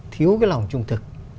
thiếu cái lòng trung thực